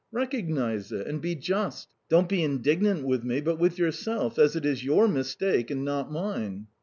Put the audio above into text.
Recognise it and be just: don't be indignant with me, but with yourself, as it is your mistake, and not mine."